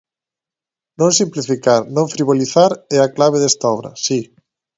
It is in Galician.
Non simplificar, non frivolizar, é a clave desta obra, si.